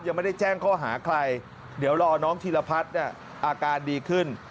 ยังไม่ได้แจ้งข้อหาใครเดี๋ยวรอน้องธีรพัฒน์เนี่ยอาการดีขึ้น